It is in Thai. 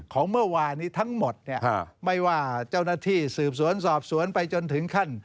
เมื่อวานนี้ทั้งหมดเนี่ยไม่ว่าเจ้าหน้าที่สืบสวนสอบสวนไปจนถึงขั้น